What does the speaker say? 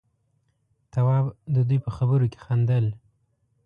تواب د دوي په خبرو کې خندل.